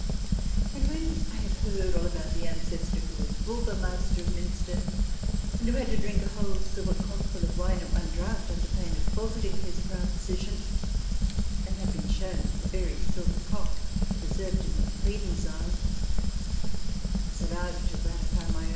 And when I had heard all about the ancestor who was Burgomaster of Miinster, and who had to drink a whole silver cock full of wine at one draught under pain of forfeiting his proud position, and had been shown the very silver cock, preserved in the Friedensaal, I was allowed to gratify my own CH.